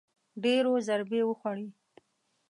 ډېرو ضربې وخوړې